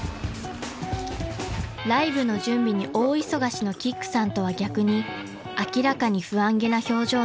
［ライブの準備に大忙しのキックさんとは逆に明らかに不安げな表情の加賀谷さん］